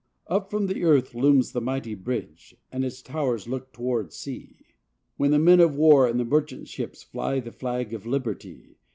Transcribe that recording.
59 Up from the earth looms the mighty bridge, And its towers look toward sea, Where the men of war and the merchant ships Fly the flag of liberty.